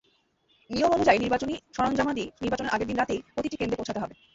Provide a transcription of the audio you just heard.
নিয়ম অনুযায়ী নির্বাচনী সরঞ্জামাদি নির্বাচনের আগের দিন রাতেই প্রতিটি কেন্দ্রে পৌঁছাতে হবে।